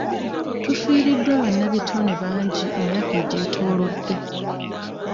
Tufiiriddwa bannabitone bangi emyaka egyetoolodde.